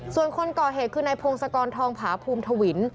ส่วนคนก่อเหตุคือนายพงศกรทองผาภูมิทวิน